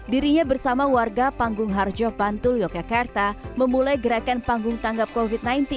dirinya bersama warga panggung harjo bantul yogyakarta memulai gerakan panggung tanggap covid sembilan belas